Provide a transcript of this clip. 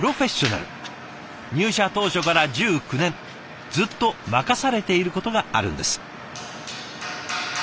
入社当初から１９年ずっと任されていることがあるんです。